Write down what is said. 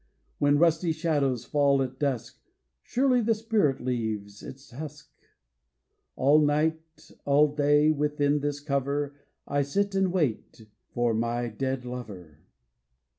When rusty shadows Fall at dusk. Surely the spirit Leaves its husk? All night, aU day, Within this cover, 1 sit and wait For my dead lover.